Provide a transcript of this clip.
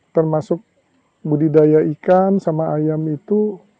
termasuk budidaya ikan sama ayam itu